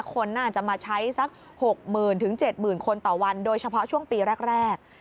คนน่าจะมาใช้สัก๖๐๐๐๗๐๐คนต่อวันโดยเฉพาะช่วงปีแรก